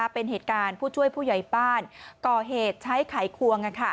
เป็นเหตุการณ์ผู้ช่วยผู้ใหญ่บ้านก่อเหตุใช้ไขควง